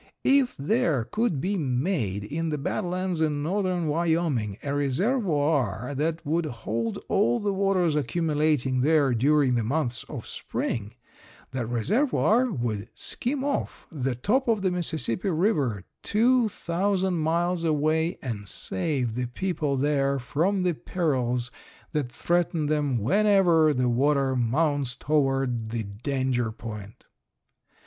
If there could be made in the Bad Lands in northern Wyoming a reservoir that would hold all the waters accumulating there during the months of spring, that reservoir would "skim off" the top of the Mississippi river two thousand miles away and save the people there from the perils that threaten them whenever the water mounts toward the danger point.